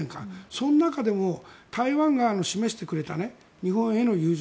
その中でも、台湾が示してくれた日本への友情。